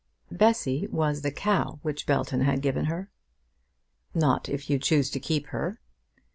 Bessy was the cow which Belton had given her. "Not if you choose to keep her."